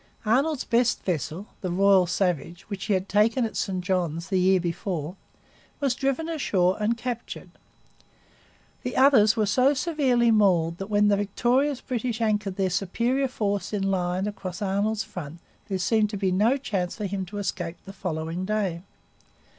Arnold's best vessel, the Royal Savage, which he had taken at St Johns the year before, was driven ashore and captured. The others were so severely mauled that when the victorious British anchored their superior force in line across Arnold's front there seemed to be no chance for him to escape the following day.